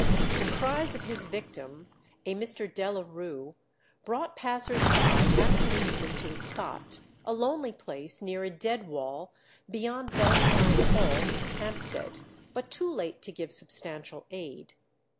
The cries of his victim, a Mr. Delarue, brought passers by and policemen to the spot, a lonely place near a dead wall beyond Belsize Hall, Hampstead, but too late to give substantial aid.